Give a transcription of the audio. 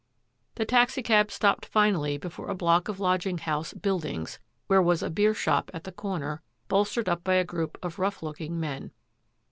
The taxicab stopped finally before a block of lodging house " buildings," where was a beer shop at the comer, bolstered up by a group of rough looking men.